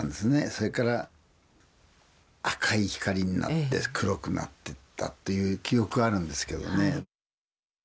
それから赤い光になって黒くなってったという記憶あるんですけどね。